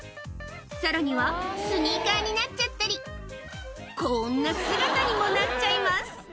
さらには、スニーカーになっちゃったり、こんな姿にもなっちゃいます。